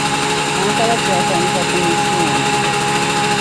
Kampala kyatandika ku Misuuna.